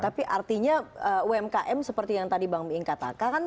tapi artinya umkm seperti yang tadi bang biing katakan